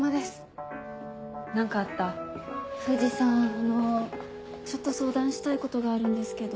あのちょっと相談したいことがあるんですけど。